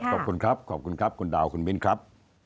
ขอบคุณครับขอบคุณครับคุณดาวคุณมิ้นครับ